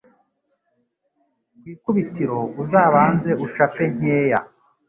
Ku ikubitiro uzabanze ucape nkeya